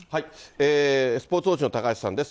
スポーツ報知の高橋さんです。